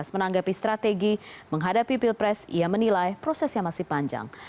menanggapi strategi menghadapi pilpres ia menilai prosesnya masih panjang